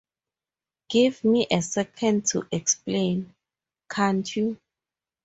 Give me a second to explain, can't you?